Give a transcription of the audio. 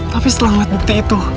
tapi setelah ngeliat bukti itu